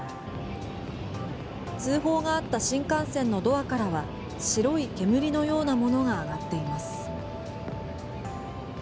通報があった新幹線のドアからは白い煙のようなものが上がっています。